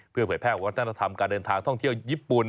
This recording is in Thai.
เพื่อเผยแพร่วัฒนธรรมการเดินทางท่องเที่ยวญี่ปุ่น